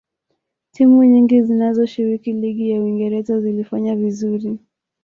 timu nyingi zinazoshiriki ligi ya uingereza zilifanya vizuri